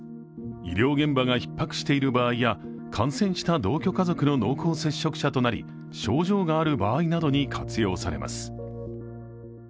医療現場がひっ迫している場合や感染した同居家族の濃厚接触者となり症状がある場合などに活用されます。